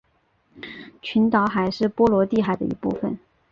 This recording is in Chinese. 群岛海是波罗的海的一部份。